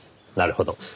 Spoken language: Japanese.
なるほど。